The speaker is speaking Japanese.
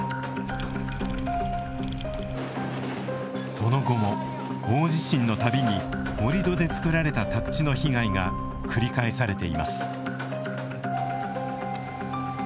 その後も大地震の度に盛土で造られた宅地の被害が繰り返されています。